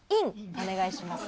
お願いします。